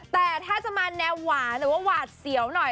แต่ถ้าจะมาแนวหวานหรือว่าหวาดเสียวหน่อย